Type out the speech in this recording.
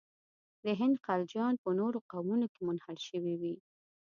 د هند خلجیان په نورو قومونو کې منحل شوي وي.